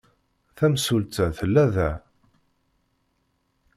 Tamsulta tella da.